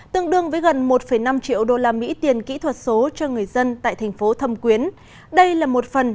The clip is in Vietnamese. tương đương với một năm triệu usd tiền kỹ thuật số cho người dân tại thành phố thâm quyến